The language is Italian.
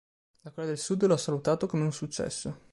La Corea del Sud lo ha salutato come un successo.